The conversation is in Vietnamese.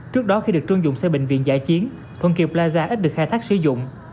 trước đó khi được trưng dụng xe bệnh viện giải chiến thuận kiều plaza ít được khai thác sử dụng